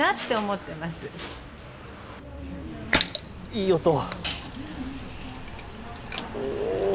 いい音。